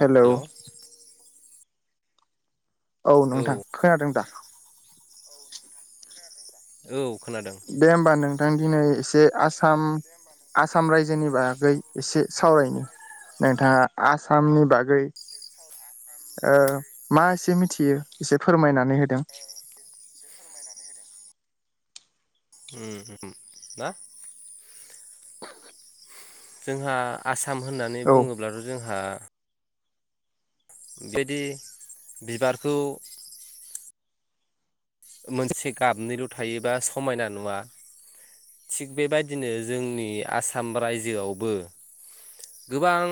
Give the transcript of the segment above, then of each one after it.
Hello औ नोंथां खोनादों दा औ खोनादों दे होमबा नों थां दिनै एसे आसाम आसाम रायजोनि बागै एसे सावरायनि नोंथाङा आसामनि बागै मा एसे मिथियो एसे फोरमायनानै होदो उम ना जोंहा आसाम म होननानै औ बुङोब्लाथ' जोंहा [inaudible] मोनसे गाबनैल' थायोबा समायना नुवा थिग बेबायदिनो जोंनि आसाम रायजोआवबो गोबां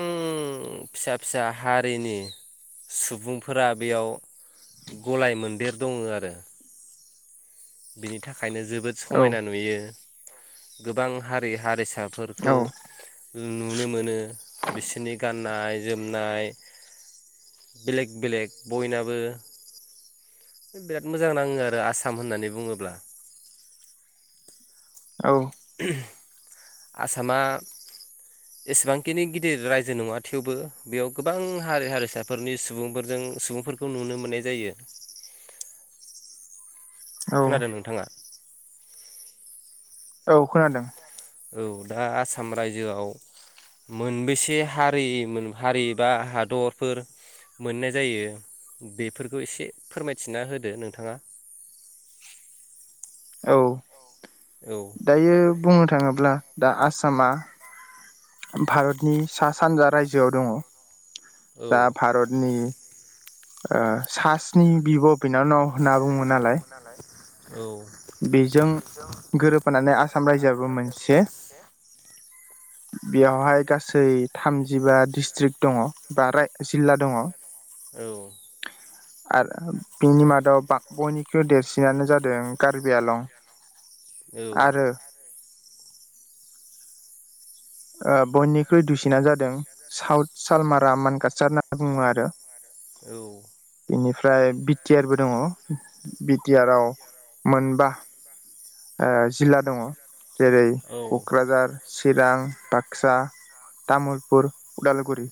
फिसा फिसा हारिनि सुबुंफोरा बेयाव गलाय मोनदेर दंङो आरो। बिनि था खायनो जोबोद समायना नुयो। गोबां हारि हारि साफोरखौ औ जों नुनो मोनो। बिसोरनि गाननाय जोमनाय बेलेग बेलेग बयनाबो। बिराद मोजां नाङो आरो आसाम होननानै बुङोब्ला। औ। आसामा एसेबांखिनि गिदिर रायजो नङा थेवबो बेयाव गोबां हारि हारिसाफोरनि सुबुंफोरजों सुबुंफोरखौ नुनो मोननाय जायो। औ खोनादों नोंथाङा? औ खोनादों। औ दा आसाम रायजोआव मोनबेसे हारिमोन हारि बा हादरफोर मोननाय जायो बेफोरखौ एसे फोरमायथिना होदो नोंथाङा। [unintelligible] औ। औ दायो बुंनो थाङोब्ला दा आ सामा भारतनि सा सानजा रायजोआव दङ। औ दा भारतनि ओ सासनि बिब' बिनाननाव होनना बुङो नालाय औ बेजों गोरोबफानानै आसाम रायजोआबो मोनसे बेयावहाय गासै थामजिबा डिस्ट्रिक्ट दङ बा राय जिल्ला दङ। औ आरो बिनि मादाव बा बयनिख्रुइ देरसिनानो जादों कारबि आलं। औ। आरो ओ बयनिख्रुइ दुइसिना जादों साउथ सालमान रामान कासार होनना बुङो आरो। बेनिफ्राय बि टि आरबो दङ। बि टि आराव मोनबा ओ जिल्ला दङ। जेरै औ क'क्राझार, चिरां, बाक्सा, तामुलपुर, उदालगुरि।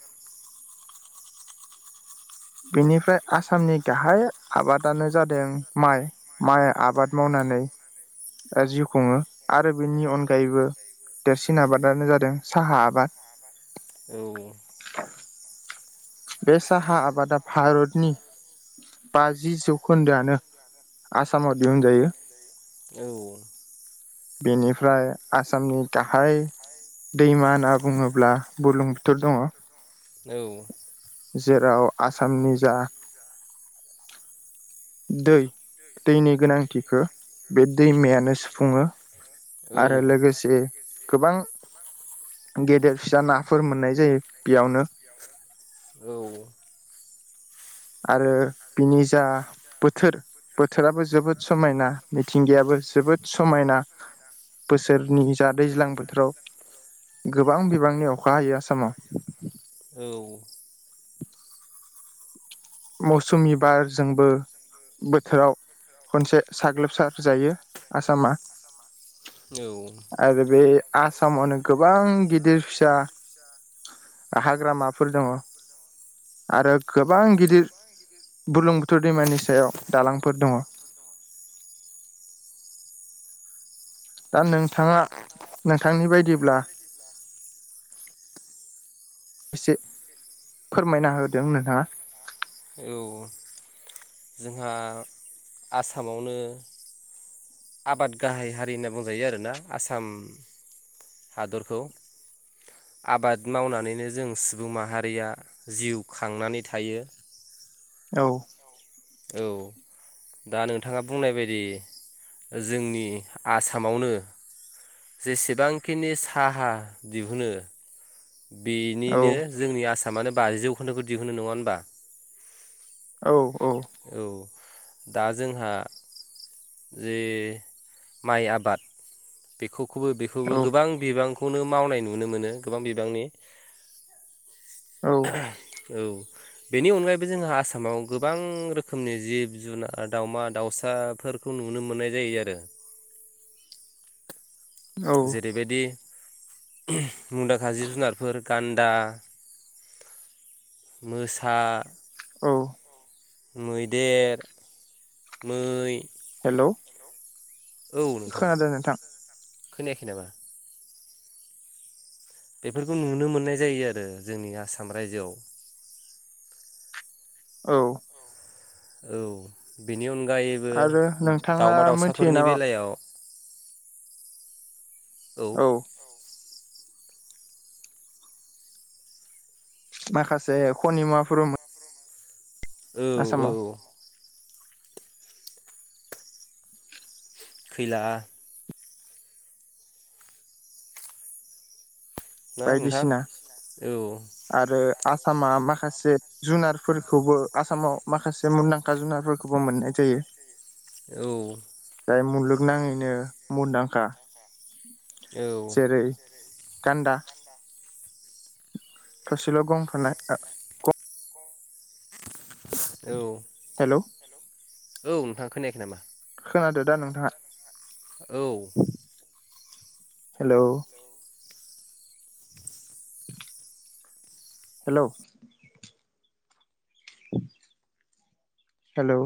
बेनिफ्राय आसामनि गाहाय आबादानो जादों माइ। माइ आबाद मावनानै जिउ खुङो। आरो बेनि अनगायैबो देरसिन आबाद आनो जादों साहा औ आबाद। बे साहा आबादा भारतनि बाजि जौखोन्दोआनो आसामाव दिहुनजायो। औ। बेनिफ्राय आसामनि गाहाय दैमा होनना बुङोब्ला बुरलुंबुथुर दङ। औ जेराव आसामनि जा दै दैनि गोनांथिखौ बे दैमायानो सुफुङो औ आरो लोगोसे गोबां गेदेर फिसा नाफोर मोननाय जायो बेयावनो औ आरो बिनि दा बोथोर बोथोराबो जोबोद समायना मिथिंगायाबो जोबोद समायना बोसोरनि जा दैज्लां बोथोराव गोबां बिबांनि अखा हायो आसामाव औ मौसुमि बार जोंबो बोथोराव खनसे साग्लोबसार जायो आसामा आरो बे आसामावनो गोबां गिदिर फिसा हाग्रामाफोर दङ आरो गोबां गिदिर बुरलुंबुथुर दैमानि सायाव दालांफोर दङ दा नोंथाङा नोंथांनि बायदिब्ला एसे फोर मायना होदों नोंथाङा औ जोंहा आसामावनो आबाद गाहाय हारि होनना बुंजायो आरोना आसाम हादरखौ आबाद मावनानैनो जों सुबुं माहारिया जिउ खांनानै थायो औ औ दा नोंथाङा बुंनाय बायदि जोंनि आसामावनो जेसेबांखिनि साहा दिहुनो औ बेनिनो जोंनि आसा मानो बाजि जौखोनदोखौ दिहुनो नङा होनबा औ औ औ दा जोंहा जे माइ आबाद बेखौ खौबो बेखौबो औ गोबां बिबां खौनो मावनाय नुनो मोनो गोबां बिबांनि औ औ बेनि अनगायैबो जोंहा आसामाव गोबां रोखोमनि जिब जुनार दाउमा दाउसाफोरखौ नुनो मोननाय जायो आरो औ जेरैबायदि [inaudible] मुंदांखा जिब जुनारफोर गान्दा मोसा औ मैदेर मै हेलौ औ नोंथां खोनादों नोंथां खोनायाखै नामा बेफोरखौ नुनो मोननाय जायो आरो जोंनि आसाम रायजोआव औ औ बे नि अनगायैबो आरो नोंथाङा दाउमा मोनथियो दाउसाफोरनि नामा बेलायाव औ माखासे खनिमा [unintelligible] औ औ खैला ना नोंथां बायदिसिना औ आरो आसामा माखासे जुनारफोरखौबो आसामाव माखासे मुंदांखा जुनारफोरखौबो मोननाय जायो। औ जाय मुलुगनाङैनो मुंदांखा औ जेरै गान्दा थसेल' गं थानाय [unintelligible] औ हेलौ औ नोंथाङा खोनायाखै नामा? खोनादो दा नोंथाङा? औ हेलौ हेलौ हेलौ